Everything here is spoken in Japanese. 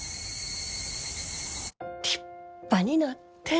立派になって。